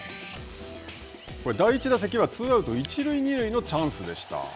第１打席はツーアウト、一塁二塁のチャンスでした。